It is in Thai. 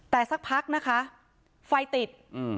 แต่สักพักนะคะไฟติด